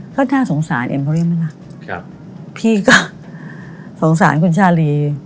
ก็น่าสงสารเอ็มพอเรียมรักพี่ก็สงสารคุณชาลี